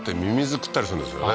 食ったりするんですよね